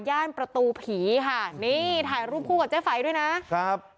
ย่านประตูผีค่ะนี่ถ่ายรูปคู่กับเจ๊ไฝด้วยนะครับ